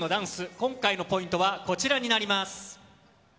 今回のポイントはこちらになります。